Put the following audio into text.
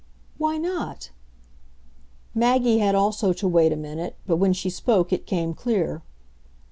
"Why not?" Maggie had also to wait a minute, but when she spoke it came clear.